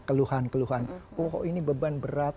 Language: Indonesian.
keluhan keluhan oh ini beban berat